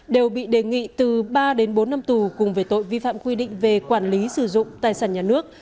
đều bị đề nghị từ ba đến bốn năm tù cùng về tội vi phạm quy định về quản lý sử dụng tài sản nhà nước